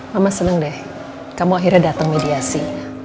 mama senang deh kamu akhirnya datang mediasi